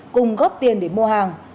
cùng góp tiền để mua hàng